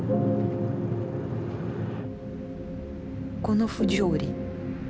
この不条理。